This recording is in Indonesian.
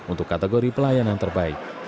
untuk kategori pelayanan terbaik